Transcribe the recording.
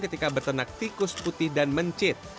ketika bertenak tikus putih dan mencit